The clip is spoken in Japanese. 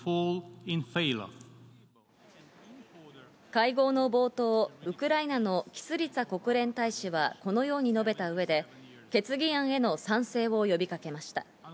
会合の冒頭、ウクライナのキスリツァ国連大使はこのように述べた上で決議案への賛成を呼びかけました。